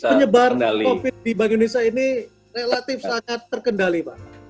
penyebaran covid di bank indonesia ini relatif sangat terkendali pak